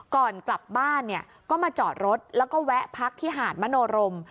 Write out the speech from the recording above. ก่อนกลับบ้านเนี่ยก็มาจอดรถแล้วก็แวะพักที่หาดมโนรม